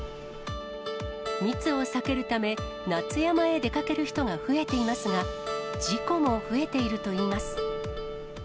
密を避けるため、夏山へ出かける人が増えていますが、事故も増えているといいます。